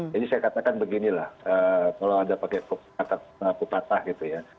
jadi saya katakan beginilah kalau ada pakai kata kata kupatah gitu ya